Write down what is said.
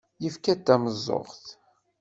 Yefka tameẓẓuɣt.